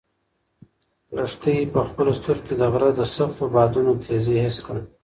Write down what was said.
لښتې په خپلو سترګو کې د غره د سختو بادونو تېزي حس کړه.